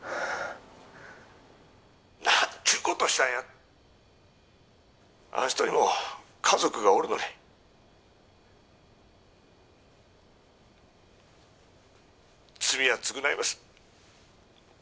何ちゅうことをしたんやあん人にも家族がおるのに罪は償います